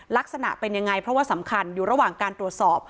ลักษณะเป็นยังไงเพราะว่าสำคัญอยู่ระหว่างการตรวจสอบ